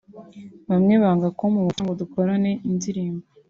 bamwe banga kumpa ubufasha ngo dukorane indirimbo